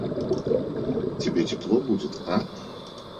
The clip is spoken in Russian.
Тебе тепло будет, а?